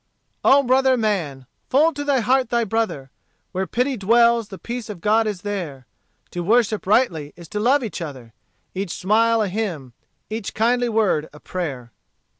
"O brother man! fold to thy heart thy brother: Where pity dwells the peace of God is there; To worship rightly is to love each other, Each smile a hymn, each kindly word a prayer."